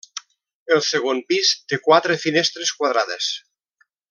El segon pis té quatre finestres quadrades.